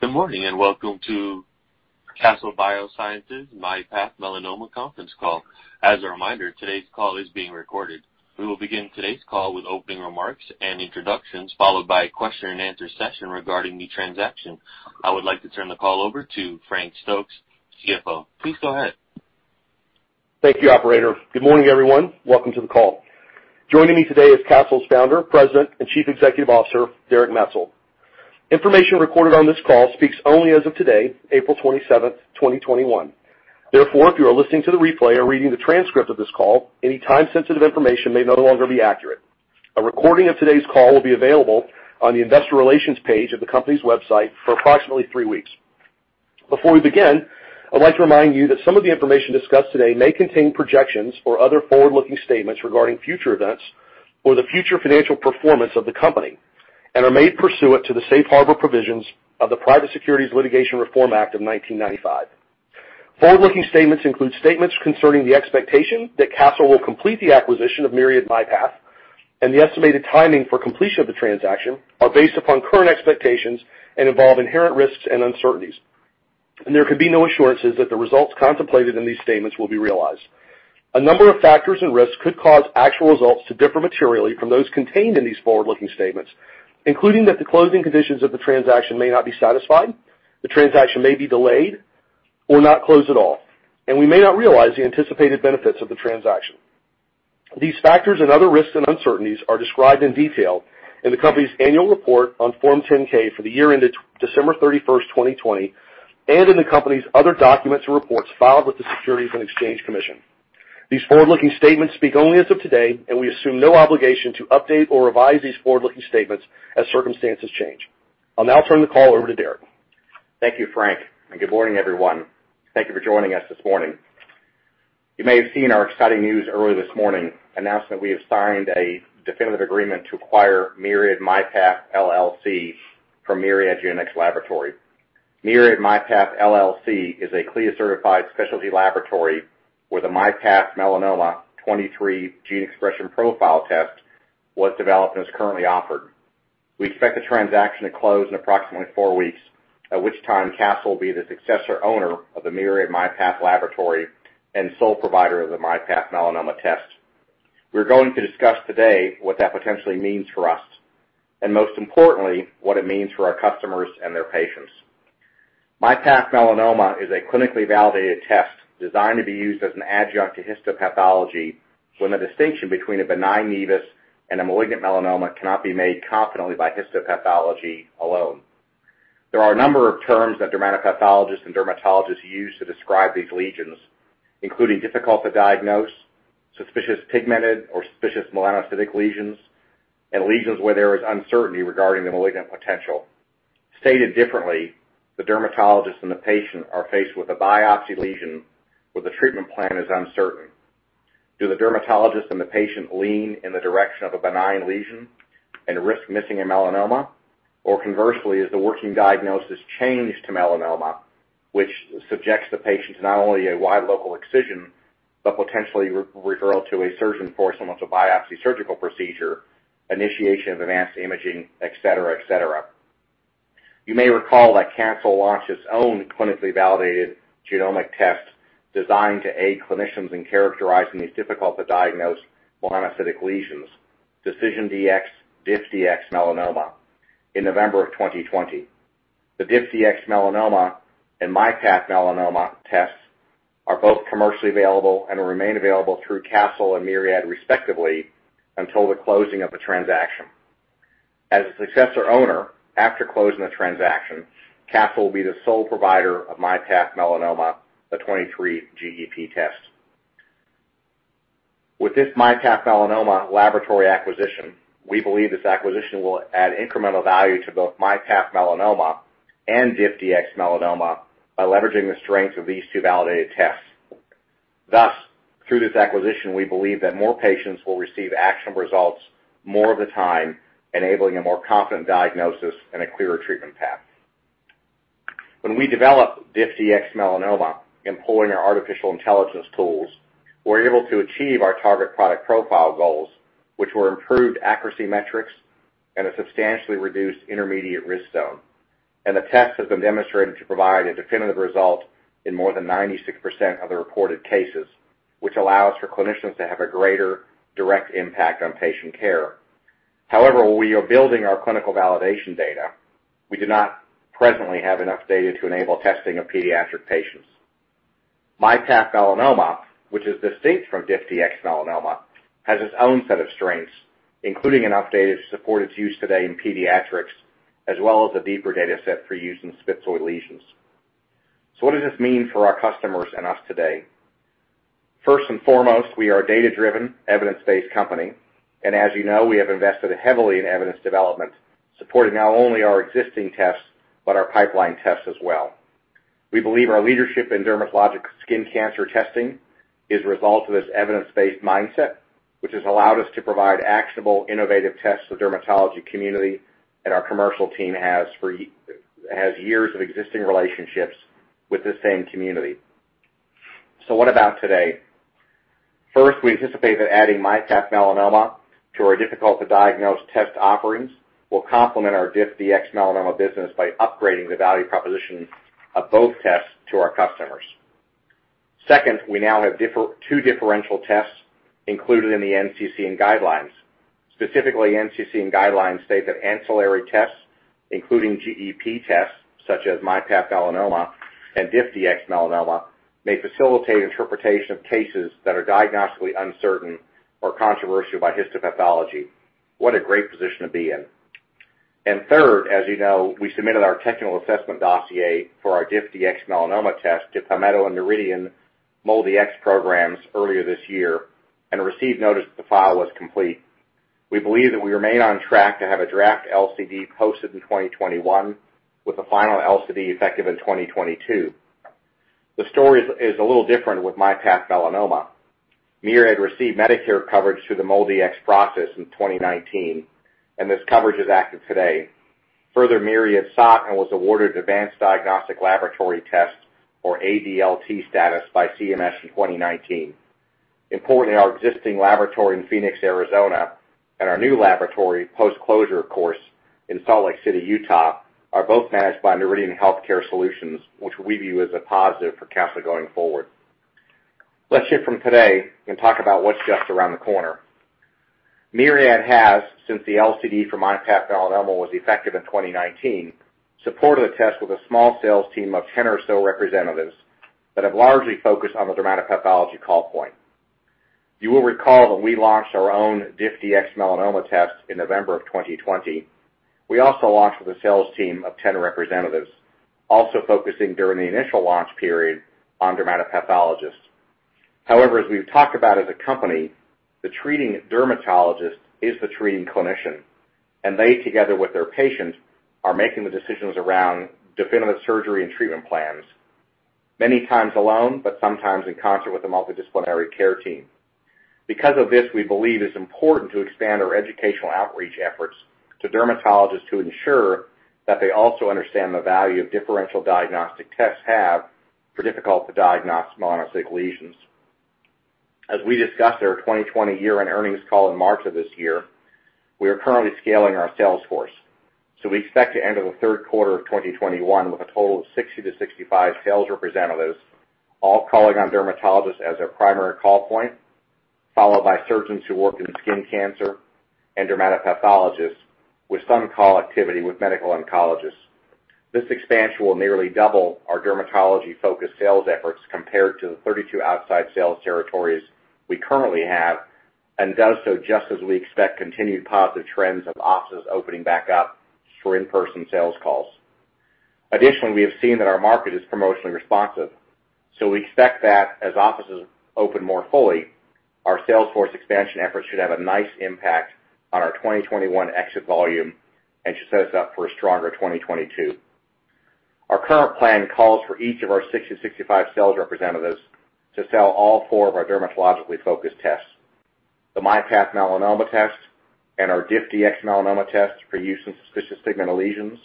Good morning and welcome to Castle Biosciences myPath Melanoma conference call. As a reminder, today's call is being recorded. We will begin today's call with opening remarks and introductions, followed by a question-and-answer session regarding the transaction. I would like to turn the call over to Frank Stokes, CFO. Please go ahead. Thank you, Operator. Good morning, everyone. Welcome to the call. Joining me today is Castle's Founder, President, and Chief Executive Officer, Derek Maetzold. Information recorded on this call speaks only as of today, April 27, 2021. Therefore, if you are listening to the replay or reading the transcript of this call, any time-sensitive information may no longer be accurate. A recording of today's call will be available on the investor relations page of the company's website for approximately three weeks. Before we begin, I'd like to remind you that some of the information discussed today may contain projections or other forward-looking statements regarding future events or the future financial performance of the company and are made pursuant to the safe harbor provisions of the Private Securities Litigation Reform Act of 1995. Forward-looking statements include statements concerning the expectation that Castle will complete the acquisition of Myriad myPath, and the estimated timing for completion of the transaction is based upon current expectations and involves inherent risks and uncertainties. There can be no assurances that the results contemplated in these statements will be realized. A number of factors and risks could cause actual results to differ materially from those contained in these forward-looking statements, including that the closing conditions of the transaction may not be satisfied, the transaction may be delayed, or not close at all, and we may not realize the anticipated benefits of the transaction. These factors and other risks and uncertainties are described in detail in the company's annual report on Form 10-K for the year ended December 31st, 2020, and in the company's other documents and reports filed with the Securities and Exchange Commission. These forward-looking statements speak only as of today, and we assume no obligation to update or revise these forward-looking statements as circumstances change. I'll now turn the call over to Derek. Thank you, Frank. Good morning, everyone. Thank you for joining us this morning. You may have seen our exciting news early this morning: the announcement we have signed a definitive agreement to acquire Myriad myPath, LLC, from Myriad Genetics. Myriad myPath, LLC is a CLIA-certified specialty laboratory where the myPath Melanoma 23-gene expression profile test was developed and is currently offered. We expect the transaction to close in approximately four weeks, at which time Castle will be the successor owner of the Myriad myPath laboratory and sole provider of the myPath Melanoma test. We're going to discuss today what that potentially means for us, and most importantly, what it means for our customers and their patients. myPath Melanoma is a clinically validated test designed to be used as an adjunct to histopathology when the distinction between a benign nevus and a malignant melanoma cannot be made confidently by histopathology alone. There are a number of terms that dermatopathologists and dermatologists use to describe these lesions, including difficult to diagnose, suspicious pigmented or suspicious melanocytic lesions, and lesions where there is uncertainty regarding the malignant potential. Stated differently, the dermatologist and the patient are faced with a biopsy lesion where the treatment plan is uncertain. Do the dermatologist and the patient lean in the direction of a benign lesion and risk missing a melanoma? Or conversely, is the working diagnosis changed to melanoma, which subjects the patient to not only a wide local excision but potentially referral to a surgeon for someone to biopsy surgical procedure, initiation of advanced imaging, etc., etc.? You may recall that Castle launched its own clinically validated genomic test designed to aid clinicians in characterizing these difficult to diagnose melanocytic lesions, DecisionDx-DiffDx Melanoma, in November of 2020. The DiffDx Melanoma and myPath Melanoma tests are both commercially available and will remain available through Castle and Myriad, respectively, until the closing of the transaction. As a successor owner, after closing the transaction, Castle will be the sole provider of myPath Melanoma, the 23 GEP test. With this myPath Melanoma laboratory acquisition, we believe this acquisition will add incremental value to both myPath Melanoma and DiffDx Melanoma by leveraging the strength of these two validated tests. Thus, through this acquisition, we believe that more patients will receive actionable results more of the time, enabling a more confident diagnosis and a clearer treatment path. When we develop DiffDx Melanoma employing our artificial intelligence tools, we're able to achieve our target product profile goals, which were improved accuracy metrics and a substantially reduced intermediate risk zone. The test has been demonstrated to provide a definitive result in more than 96% of the reported cases, which allows for clinicians to have a greater direct impact on patient care. However, while we are building our clinical validation data, we do not presently have enough data to enable testing of pediatric patients. MyPath Melanoma, which is distinct from DiffDx Melanoma, has its own set of strengths, including enough data to support its use today in pediatrics, as well as a deeper data set for use in spitzoid lesions. What does this mean for our customers and us today? First and foremost, we are a data-driven, evidence-based company. As you know, we have invested heavily in evidence development, supporting not only our existing tests but our pipeline tests as well. We believe our leadership in dermatologic skin cancer testing is a result of this evidence-based mindset, which has allowed us to provide actionable, innovative tests to the dermatology community, and our commercial team has years of existing relationships with this same community. What about today? First, we anticipate that adding myPath Melanoma to our difficult-to-diagnose test offerings will complement our DiffDx Melanoma business by upgrading the value proposition of both tests to our customers. Second, we now have two differential tests included in the NCCN guidelines. Specifically, NCCN guidelines state that ancillary tests, including GEP tests such as myPath Melanoma and DiffDx Melanoma, may facilitate interpretation of cases that are diagnostically uncertain or controversial by histopathology. What a great position to be in. Third, as you know, we submitted our technical assessment dossier for our DiffDx Melanoma test to Palmetto and Noridian MolDX programs earlier this year and received notice that the file was complete. We believe that we remain on track to have a draft LCD posted in 2021, with the final LCD effective in 2022. The story is a little different with myPath Melanoma. Myriad received Medicare coverage through the MolDX process in 2019, and this coverage is active today. Further, Myriad sought and was awarded Advanced Diagnostic Laboratory Test or ADLT status by CMS in 2019. Importantly, our existing laboratory in Phoenix, Arizona, and our new laboratory, post-closure, of course, in Salt Lake City, Utah, are both managed by Noridian Healthcare Solutions, which we view as a positive for Castle going forward. Let's shift from today and talk about what's just around the corner. Myriad has, since the LCD for myPath Melanoma was effective in 2019, supported the test with a small sales team of 10 or so representatives that have largely focused on the dermatopathology call point. You will recall that we launched our own DiffDx Melanoma test in November of 2020. We also launched with a sales team of 10 representatives, also focusing during the initial launch period on dermatopathologists. However, as we've talked about as a company, the treating dermatologist is the treating clinician, and they, together with their patients, are making the decisions around definitive surgery and treatment plans, many times alone but sometimes in concert with the multidisciplinary care team. Because of this, we believe it is important to expand our educational outreach efforts to dermatologists to ensure that they also understand the value differential diagnostic tests have for difficult-to-diagnose melanocytic lesions. As we discussed at our 2020 year-end earnings call in March of this year, we are currently scaling our sales force. We expect to enter the third quarter of 2021 with a total of 60-65 sales representatives, all calling on dermatologists as their primary call point, followed by surgeons who work in skin cancer and dermatopathologists, with some call activity with medical oncologists. This expansion will nearly double our dermatology-focused sales efforts compared to the 32 outside sales territories we currently have, and does so just as we expect continued positive trends of offices opening back up for in-person sales calls. Additionally, we have seen that our market is promotionally responsive. We expect that as offices open more fully, our sales force expansion efforts should have a nice impact on our 2021 exit volume and should set us up for a stronger 2022. Our current plan calls for each of our 60-65 sales representatives to sell all four of our dermatologically focused tests: the myPath Melanoma test and our DiffDx Melanoma test for use in suspicious pigmented lesions,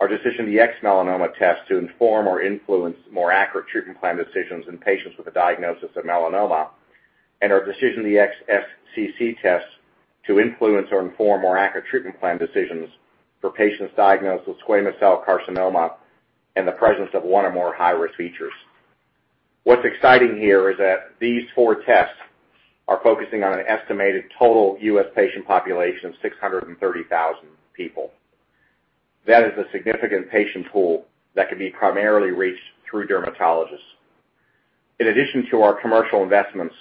our DecisionDx-Melanoma test to inform or influence more accurate treatment plan decisions in patients with a diagnosis of melanoma, and our DecisionDx-SCC test to influence or inform more accurate treatment plan decisions for patients diagnosed with squamous cell carcinoma and the presence of one or more high-risk features. What's exciting here is that these four tests are focusing on an estimated total U.S. patient population of 630,000 people. That is a significant patient pool that can be primarily reached through dermatologists. In addition to our commercial investments,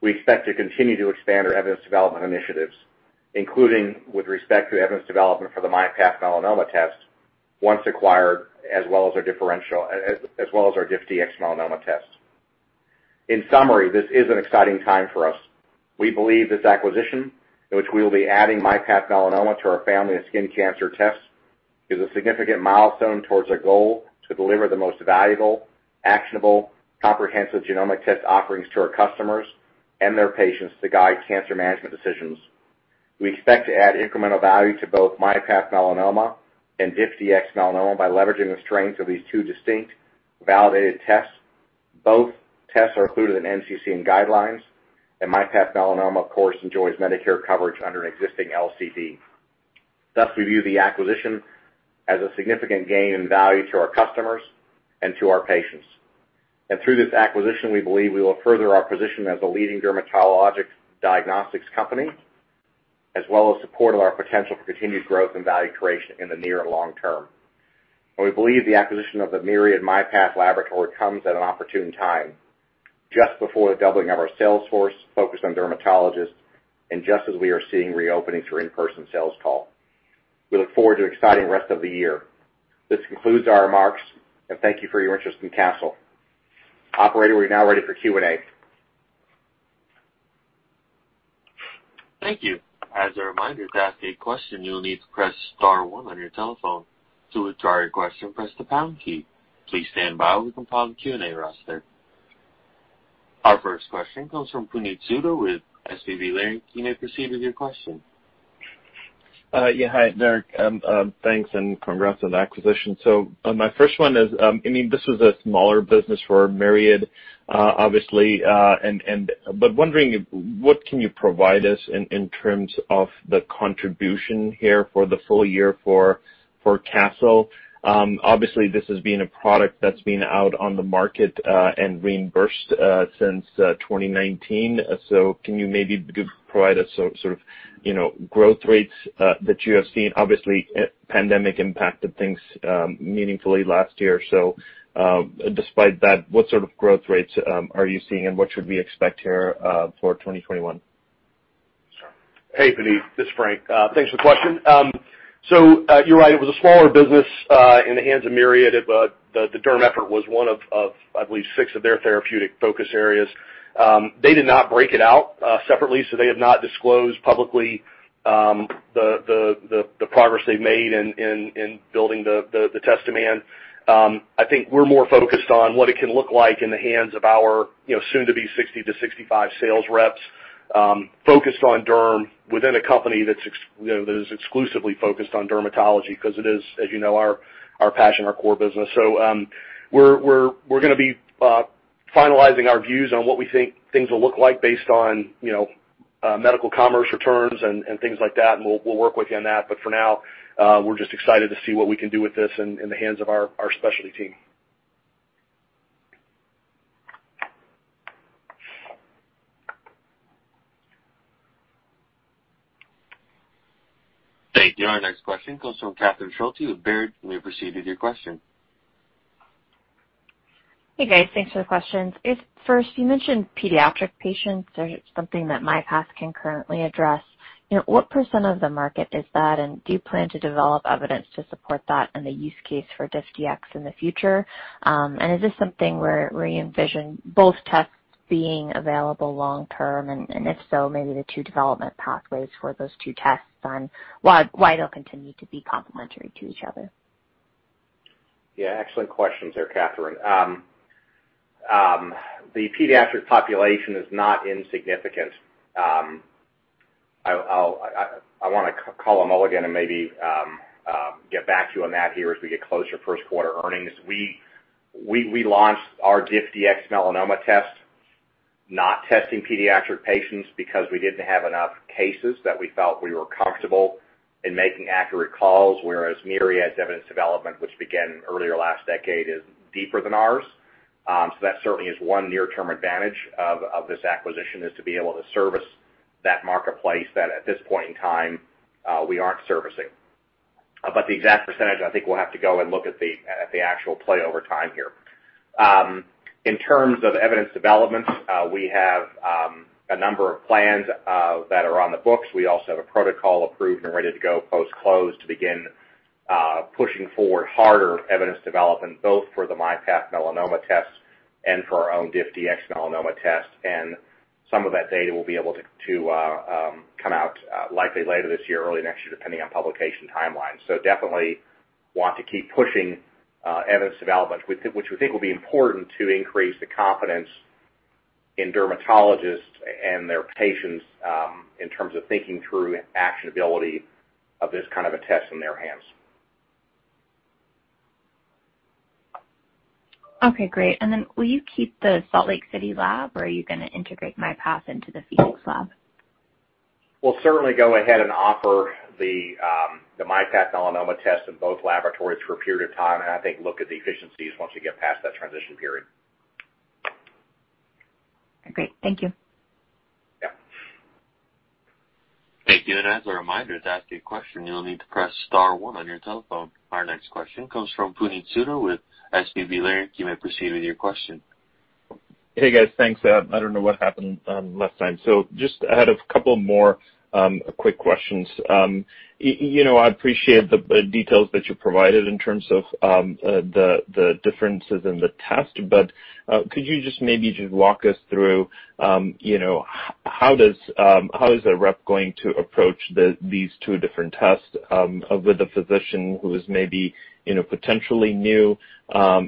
we expect to continue to expand our evidence development initiatives, including with respect to evidence development for the myPath Melanoma test once acquired, as well as our DiffDx Melanoma test. In summary, this is an exciting time for us. We believe this acquisition, in which we will be adding myPath Melanoma to our family of skin cancer tests, is a significant milestone towards a goal to deliver the most valuable, actionable, comprehensive genomic test offerings to our customers and their patients to guide cancer management decisions. We expect to add incremental value to both myPath Melanoma and DiffDx Melanoma by leveraging the strength of these two distinct, validated tests. Both tests are included in NCCN guidelines, and myPath Melanoma, of course, enjoys Medicare coverage under an existing LCD. Thus, we view the acquisition as a significant gain in value to our customers and to our patients. Through this acquisition, we believe we will further our position as a leading dermatologic diagnostics company, as well as support our potential for continued growth and value creation in the near and long term. We believe the acquisition of the Myriad myPath laboratory comes at an opportune time, just before the doubling of our sales force focused on dermatologists and just as we are seeing reopening through in-person sales call. We look forward to an exciting rest of the year. This concludes our remarks, and thank you for your interest in Castle. Operator, we're now ready for Q&A. Thank you. As a reminder to ask a question, you'll need to press star one on your telephone. To withdraw your question, press the pound key. Please stand by while we compile the Q&A roster. Our first question comes from Puneet Souda, with SVB Leerink. You may proceed with your question. Yeah. Hi, Derek. Thanks and congrats on the acquisition. My first one is, I mean, this was a smaller business for Myriad, obviously, but wondering what can you provide us in terms of the contribution here for the full year for Castle? Obviously, this has been a product that's been out on the market and reimbursed since 2019. Can you maybe provide us sort of growth rates that you have seen? Obviously, pandemic impacted things meaningfully last year. Despite that, what sort of growth rates are you seeing, and what should we expect here for 2021? Sure. Hey, Puneet. This is Frank. Thanks for the question. You're right. It was a smaller business in the hands of Myriad. The derm effort was one of, I believe, six of their therapeutic focus areas. They did not break it out separately, so they have not disclosed publicly the progress they've made in building the test demand. I think we're more focused on what it can look like in the hands of our soon-to-be 60-65 sales reps, focused on derm within a company that is exclusively focused on dermatology because it is, as you know, our passion, our core business. We're going to be finalizing our views on what we think things will look like based on medical commerce returns and things like that, and we'll work with you on that. For now, we're just excited to see what we can do with this in the hands of our specialty team. Thank you. Our next question comes from Catherine Schulte with Baird. You may proceed with your question. Hey, guys. Thanks for the questions. First, you mentioned pediatric patients. There's something that myPath can currently address. What percent of the market is that, and do you plan to develop evidence to support that and the use case for DiffDx in the future? Is this something where you envision both tests being available long term, and if so, maybe the two development pathways for those two tests on why they'll continue to be complementary to each other? Yeah. Excellent questions there, Catherine. The pediatric population is not insignificant. I want to call them all again and maybe get back to you on that here as we get closer to first quarter earnings. We launched our DiffDx Melanoma test, not testing pediatric patients because we did not have enough cases that we felt we were comfortable in making accurate calls, whereas Myriad's evidence development, which began earlier last decade, is deeper than ours. That certainly is one near-term advantage of this acquisition, to be able to service that marketplace that, at this point in time, we are not servicing. The exact percentage, I think we will have to go and look at the actual play over time here. In terms of evidence development, we have a number of plans that are on the books. We also have a protocol approved and ready to go post-close to begin pushing forward harder evidence development, both for the myPath Melanoma test and for our own DiffDx Melanoma test. Some of that data will be able to come out likely later this year, early next year, depending on publication timelines. Definitely want to keep pushing evidence development, which we think will be important to increase the confidence in dermatologists and their patients in terms of thinking through actionability of this kind of a test in their hands. Okay. Great. Will you keep the Salt Lake City lab, or are you going to integrate MyPath into the Phoenix lab? We'll certainly go ahead and offer the myPath Melanoma test in both laboratories for a period of time, and I think look at the efficiencies once we get past that transition period. Great. Thank you. Yeah. Thank you. As a reminder to ask a question, you'll need to press star one on your telephone. Our next question comes from Puneet Souda with SVB Leerink. You may proceed with your question. Hey, guys. Thanks. I don't know what happened last time. I had a couple more quick questions. I appreciate the details that you provided in terms of the differences in the test, but could you just maybe walk us through how is a rep going to approach these two different tests with a physician who is maybe potentially new to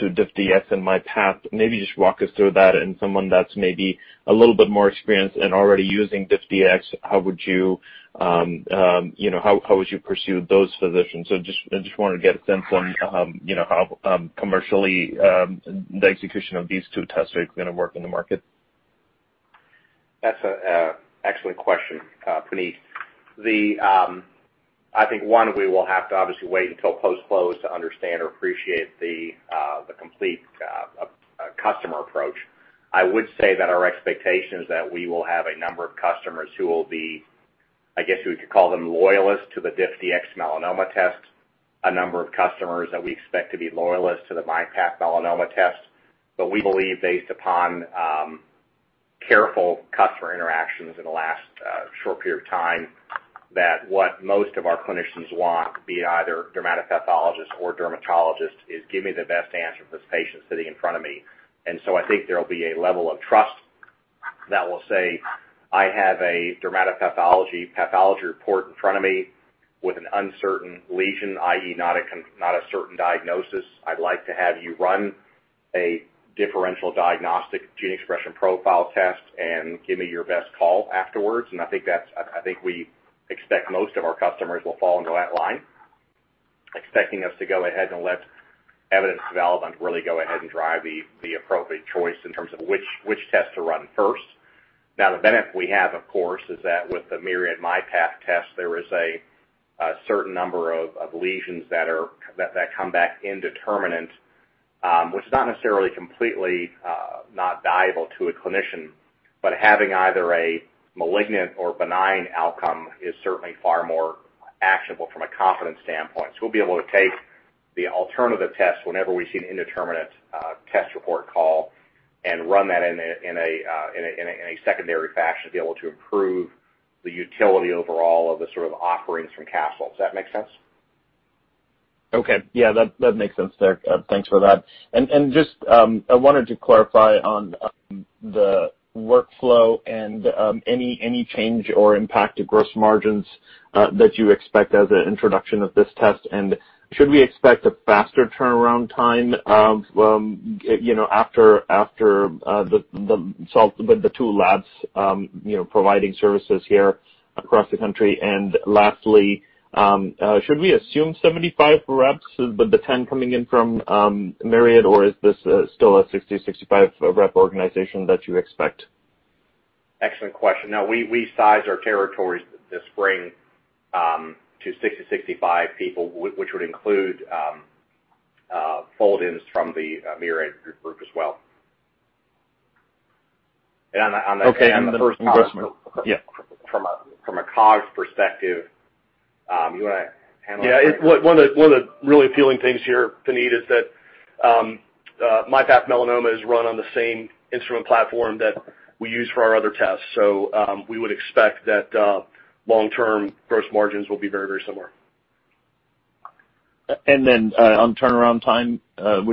DiffDx and myPath? Maybe just walk us through that. Someone that's maybe a little bit more experienced and already using DiffDx, how would you pursue those physicians? I just wanted to get a sense on how commercially the execution of these two tests are going to work in the market. That's an excellent question, Puneet. I think, one, we will have to obviously wait until post-close to understand or appreciate the complete customer approach. I would say that our expectation is that we will have a number of customers who will be, I guess we could call them loyalists to the DiffDx Melanoma test, a number of customers that we expect to be loyalists to the myPath Melanoma test. We believe, based upon careful customer interactions in the last short period of time, that what most of our clinicians want, be either dermatopathologists or dermatologists, is, "Give me the best answer for this patient sitting in front of me." I think there will be a level of trust that will say, "I have a dermatopathology pathology report in front of me with an uncertain lesion, i.e., not a certain diagnosis. I'd like to have you run a differential diagnostic gene expression profile test and give me your best call afterwards. I think we expect most of our customers will fall into that line, expecting us to go ahead and let evidence development really go ahead and drive the appropriate choice in terms of which test to run first. The benefit we have, of course, is that with the Myriad MyPath test, there is a certain number of lesions that come back indeterminate, which is not necessarily completely not viable to a clinician, but having either a malignant or benign outcome is certainly far more actionable from a confidence standpoint. We will be able to take the alternative test whenever we see an indeterminate test report call and run that in a secondary fashion to be able to improve the utility overall of the sort of offerings from Castle. Does that make sense? Okay. Yeah. That makes sense, Derek. Thanks for that. I wanted to clarify on the workflow and any change or impact to gross margins that you expect as an introduction of this test. Should we expect a faster turnaround time after the two labs providing services here across the country? Lastly, should we assume 75 reps with the 10 coming in from Myriad, or is this still a 60-65 rep organization that you expect? Excellent question. Now, we sized our territories this spring to 60-65 people, which would include fold-ins from the Myriad group as well. And on the. Okay. The first question. Yeah. From a COGS perspective, you want to handle that? Yeah. One of the really appealing things here, Puneet, is that myPath Melanoma is run on the same instrument platform that we use for our other tests. So we would expect that long-term gross margins will be very, very similar. Would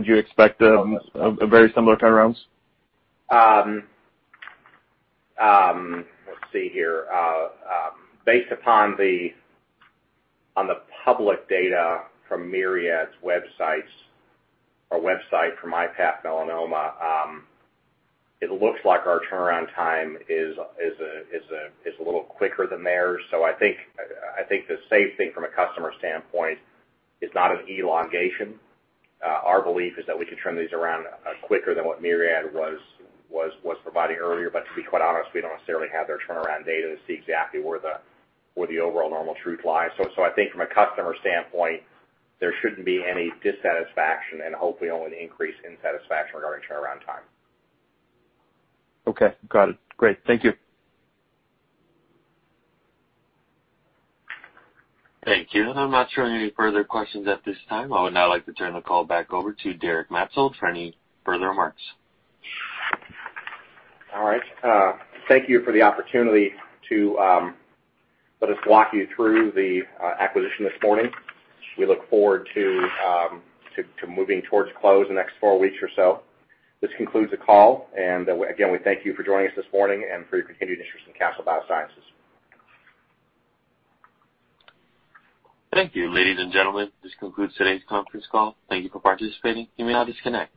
you expect a very similar turnaround? Let's see here. Based upon the public data from Myriad's website or website for myPath Melanoma, it looks like our turnaround time is a little quicker than theirs. I think the safe thing from a customer standpoint is not an elongation. Our belief is that we can turn these around quicker than what Myriad was providing earlier. To be quite honest, we don't necessarily have their turnaround data to see exactly where the overall normal truth lies. I think from a customer standpoint, there shouldn't be any dissatisfaction and hopefully only an increase in satisfaction regarding turnaround time. Okay. Got it. Great. Thank you. Thank you. I'm not sure of any further questions at this time. I would now like to turn the call back over to Derek Maetzold for any further remarks. All right. Thank you for the opportunity to let us walk you through the acquisition this morning. We look forward to moving towards close in the next four weeks or so. This concludes the call. Again, we thank you for joining us this morning and for your continued interest in Castle Biosciences. Thank you, ladies and gentlemen. This concludes today's conference call. Thank you for participating. You may now disconnect.